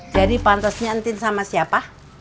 jadi pantasnya nenek tin sama siapa